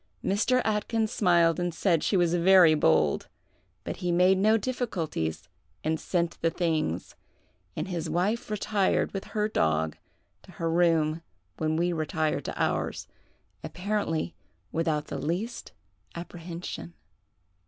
Mr. Atkyns smiled and said she was very bold; but he made no difficulties, and sent the things,—and his wife retired with her dog to her room when we retired to ours, apparently without the least apprehension.